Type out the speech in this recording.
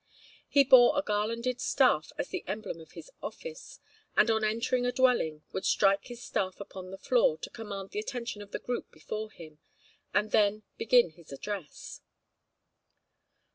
He bore a garlanded staff as the emblem of his office, and on entering a dwelling would strike his staff upon the floor to command the attention of the group before him, and then begin his address.